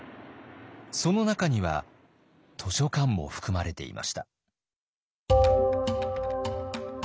その中には図書館も含まれていました。